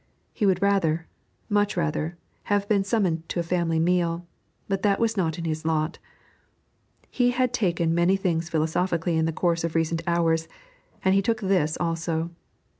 He would rather, much rather, have been summoned to a family meal, but that was not his lot. He had taken many things philosophically in the course of recent hours, and he took this also.